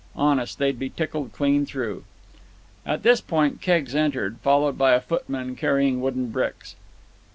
Honest, they'd be tickled clean through." At this point Keggs entered, followed by a footman carrying wooden bricks.